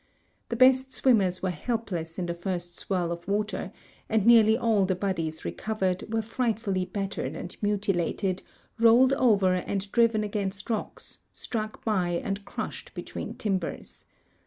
The best swimmers were helpless in the first swirl of water, and nearl}^ all the bodies recovered were frightfull}' battered and mutilated, rolled over and driven against rocks, struck b}^ and crushed between timbers.